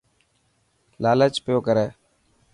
لالچ پيو ڪري.